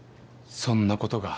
そんなことが。